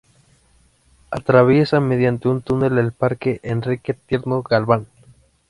Atraviesa mediante un túnel el parque Enrique Tierno Galván.